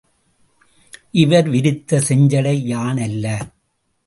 இவர் விரித்த செஞ்சடை யான் அல்ல.